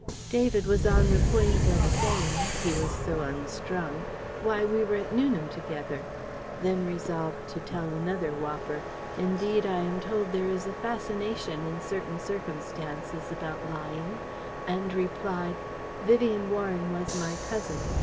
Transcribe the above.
(David was on the point of saying he was so unstrung "Why we were at Newnham together." Then resolved to tell another whopper Indeed I am told there is a fascination in certain circumstances about lying and replied): "Vivien Warren was my cousin.